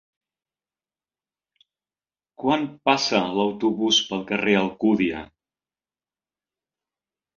Quan passa l'autobús pel carrer Alcúdia?